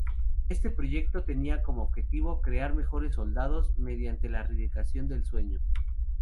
Este proyecto tenía como objetivo crear mejores soldados mediante la erradicación del sueño.